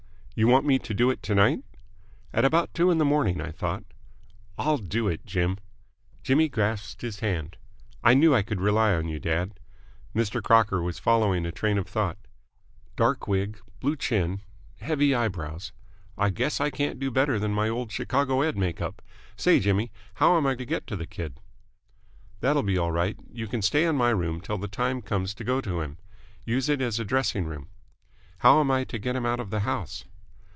"You want me to do it to night?" "At about two in the morning, I thought." "I'll do it, Jim!" Jimmy grasped his hand. "I knew I could rely on you, dad." Mr. Crocker was following a train of thought. "Dark wig ... blue chin ... heavy eyebrows ... I guess I can't do better than my old Chicago Ed. make up. Say, Jimmy, how am I to get to the kid?" "That'll be all right. You can stay in my room till the time comes to go to him. Use it as a dressing room." "How am I to get him out of the house?"